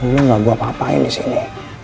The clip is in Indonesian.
lo gak buat apa apain disini